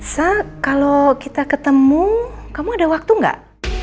sa kalau kita ketemu kamu ada waktu gak